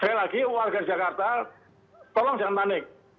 sekali lagi warga jakarta tolong jangan panik